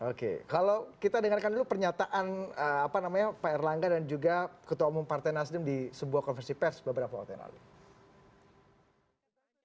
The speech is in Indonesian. oke kalau kita dengarkan dulu pernyataan pak erlangga dan juga ketua umum partai nasdem di sebuah konversi pers beberapa waktu yang lalu